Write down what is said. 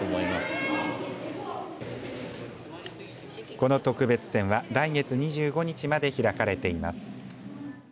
この特別展は来月２５日まで開かれています。